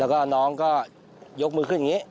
แล้วก็น้องก็ยกมือขึ้นอย่างนี้